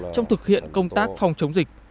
trong thực hiện công tác phòng chống dịch